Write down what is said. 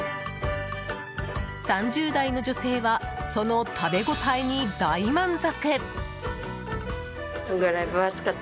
３０代の女性はその食べ応えに大満足！